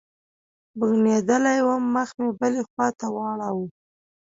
بوږنېدلى وم مخ مې بلې خوا ته واړاوه.